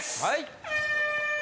はい。